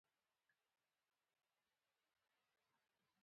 که پېیر کوري د نوې ماده تحلیل ونه کړي، پایله به ناقصه وي.